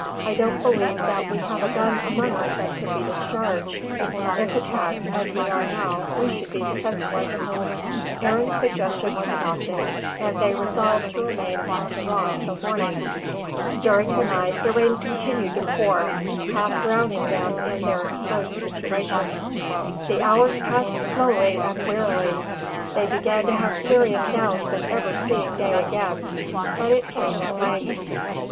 I don't believe that we have a gun among us that could be discharged; if attacked, as we are now, we should be defenceless. Arend's suggestion was adopted, and they resolved to remain upon the rock till morning. During the night, the rain continued to pour, half drowning them in their exposed situation. The hours passed slowly and wearily. They began to have serious doubts of ever seeing day again; but it came at length.